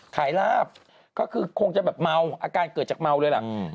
ขายลาบก็คือคงจะเกิดจากเมาเลย